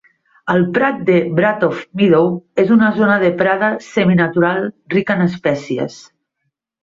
El prat de Bratoft Meadow és una zona de prada seminatural rica en espècies.